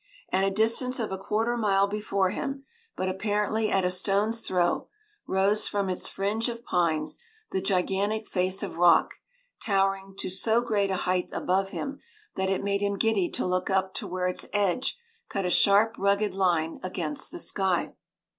At a distance of a quarter mile before him, but apparently at a stone's throw, rose from its fringe of pines the gigantic face of rock, towering to so great a height above him that it made him giddy to look up to where its edge cut a sharp, rugged line against the sky.